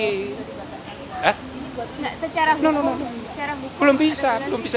hai secara belum bisa belum bisa